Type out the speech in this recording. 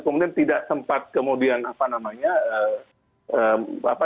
kemudian tidak sempat kemudian apa namanya